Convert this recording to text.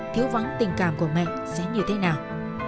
thiếu vắng tình cảm của mẹ sẽ như thế nào